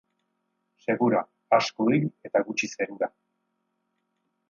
Segura: asko hil eta gutxi zerura.